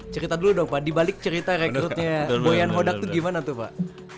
cerita dulu dong pak dibalik cerita rekrutnya boyan hodak itu gimana tuh pak